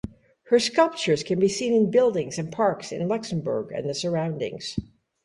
Her sculptures can be seen in buildings and parks in Luxembourg and the surroundings.